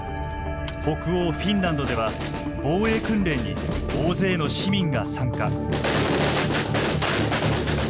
北欧フィンランドでは防衛訓練に大勢の市民が参加。